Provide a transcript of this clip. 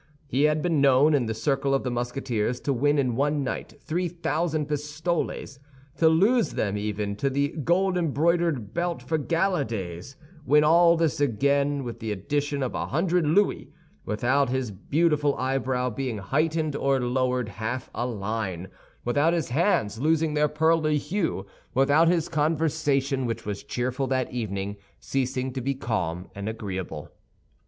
He had been known, in the circle of the Musketeers, to win in one night three thousand pistoles; to lose them even to the gold embroidered belt for gala days, win all this again with the addition of a hundred louis, without his beautiful eyebrow being heightened or lowered half a line, without his hands losing their pearly hue, without his conversation, which was cheerful that evening, ceasing to be calm and agreeable.